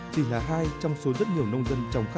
chỉ là hai trong số rất nhiều nông dân